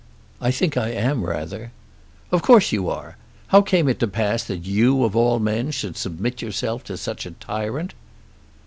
"I think I am rather." "Of course you are. How came it to pass that you of all men should submit yourself to such a tyrant?"